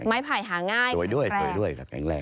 ไม้ไผ่หาง่ายแข็งแรงสวยด้วยแข็งแรง